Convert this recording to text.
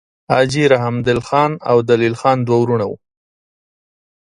حاجي رحمدل خان او دلیل خان دوه وړونه وه.